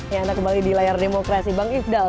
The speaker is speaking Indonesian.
ya anda kembali di layar demokrasi bang ifdal